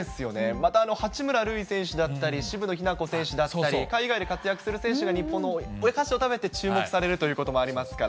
また八村塁選手だったり、渋野日向子選手だったり、海外で活躍する選手が、日本のお菓子を食べて注目されるということもありますから。